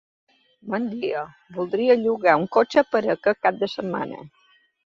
Bon dia, voldria llogar un cotxe per a aquest cap de setmana.